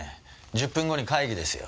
１０分後に会議ですよ。